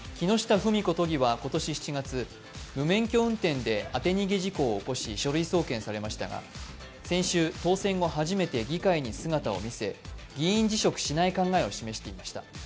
東京都議は今年７月、無免許運転で当て逃げ事故を起こし書類送検されましたが先週、当選後初めて議会に姿を見せ議員辞職しない考えを示していました。